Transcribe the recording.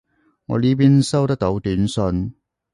我呢邊收得到短信